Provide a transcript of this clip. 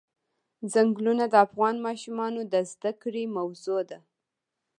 چنګلونه د افغان ماشومانو د زده کړې موضوع ده.